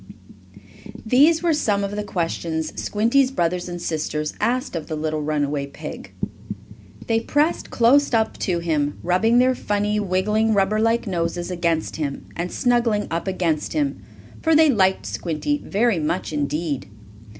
These were some of the questions Squinty's brothers and sisters asked of the little runaway pig. They pressed close up to him, rubbing their funny, wiggling, rubber like noses against him, and snuggling up against him, for they liked Squinty very much indeed.